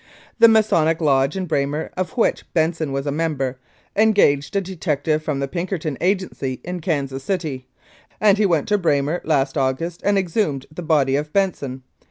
The Masonic Lodge in Braymer, of which Benson was a member, engaged a detective from the Pinkerton agency in Kansas City, and he went to Braymer last August and exhumed the body of Benson.